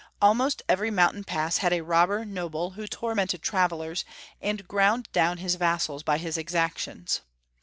Almost every mountain pass had a robber noble, who tormented travelers, and ground down his vassals by his exactions.